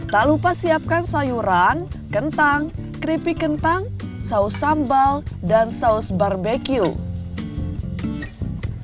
tak lupa siapkan sayuran kentang keripik kentang saus sambal dan saus barbecue